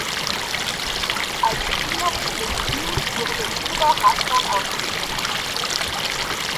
Als Spielerin des Spiels wurde Tuba Hassan ausgezeichnet.